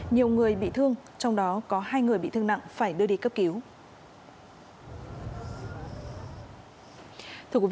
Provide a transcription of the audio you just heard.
nhiều người bị thương trong đó có hai người bị thương nặng phải đưa đi cấp cứu